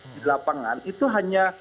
di lapangan itu hanya